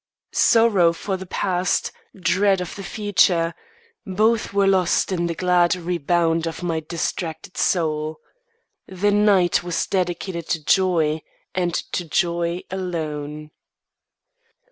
Sorrow for the past, dread of the future both were lost in the glad rebound of my distracted soul. The night was dedicated to joy, and to joy alone.